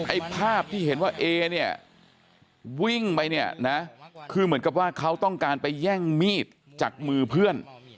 ไอ้ภาพที่เห็นว่าเอเนี่ยวิ่งไปเนี่ยนะคือเหมือนกับว่าเขาต้องการไปแย่งมีดจากมือเพื่อน